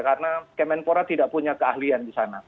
karena kemenpora tidak punya keahlian di sana